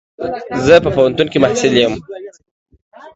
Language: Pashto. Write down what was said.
زه په پوهنتون کي محصل يم.